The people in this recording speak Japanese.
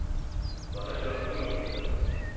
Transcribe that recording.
「“私は命を絶ちます”」